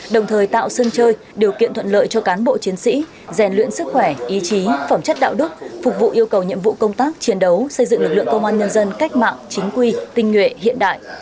đồng thời tạo sân chơi điều kiện thuận lợi cho cán bộ chiến sĩ rèn luyện sức khỏe ý chí phẩm chất đạo đức phục vụ yêu cầu nhiệm vụ công tác chiến đấu xây dựng lực lượng công an nhân dân cách mạng chính quy tinh nguyện hiện đại